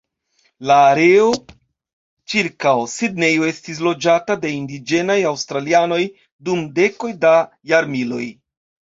La areo ĉirkaŭ Sidnejo estis loĝata de indiĝenaj aŭstralianoj dum dekoj da jarmiloj.